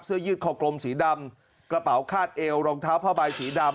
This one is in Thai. ยืดคอกลมสีดำกระเป๋าคาดเอวรองเท้าผ้าใบสีดำ